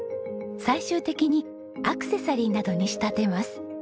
最終的にアクセサリーなどに仕立てます。